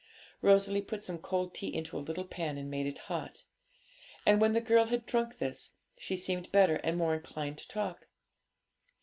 Rosalie put some cold tea into a little pan and made it hot. And when the girl had drunk this, she seemed better, and more inclined to talk.